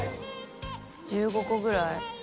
１５個ぐらい？